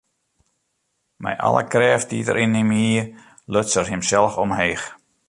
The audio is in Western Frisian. Mei alle krêft dy't er yn him hie, luts er himsels omheech.